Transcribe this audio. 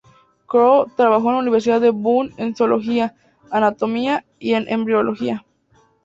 Krohn trabajó en la Universidad de Bonn en zoología, anatomía y en embriología.